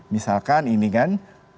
misalkan ini kan